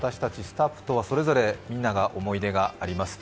スタッフとは、それぞれみんなが思い出があります。